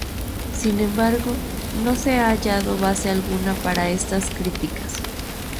Sin embargo, no se ha hallado base alguna para estas críticas.